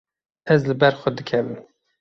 Ez li ber xwe dikevim.